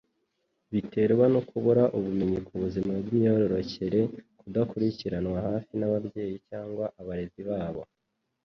biterwa no kubura ubumenyi ku buzima bw'imyororokere, kudakurikiranirwa hafi n'ababyeyi cyangwa abarezi babo.